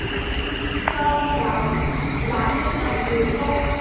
Sao anh dám dám lên nằm giường của tôi